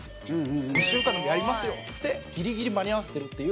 １週間でもやりますよっつってギリギリ間に合わせてるっていう